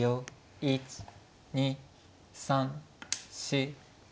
１２３４。